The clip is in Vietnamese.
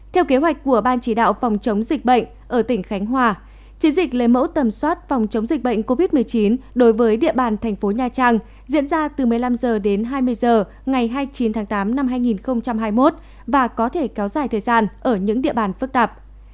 theo kế hoạch của ban chỉ đạo phòng chống dịch bệnh ở tỉnh khánh hòa chiến dịch lấy mẫu tầm soát phòng chống dịch bệnh covid một mươi chín đối với địa bàn thành phố nha trang diễn ra từ một mươi năm h đến hai mươi h ngày hai mươi chín tháng tám năm hai nghìn hai mươi một và có thể kéo dài thời gian ở những địa bàn phức tạp